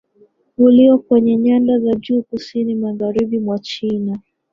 ulio kwenye nyanda za juu kusini magharibi mwa China